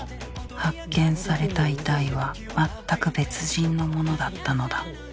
発見された遺体は全く別人のものだったのだ